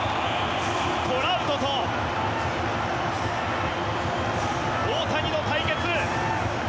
トラウトと大谷の対決。